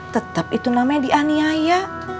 tetep itu namanya dianiaya